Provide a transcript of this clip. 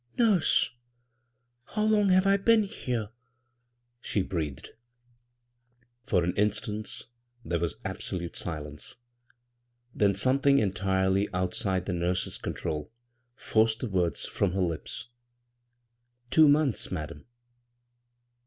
'* Nurse, how long have I been — here ?" she breathed. For an instant there was absolute ^lence ; then something entirely outside the nurse's contrd forced the words from her lips. " Two mCKiths, madam."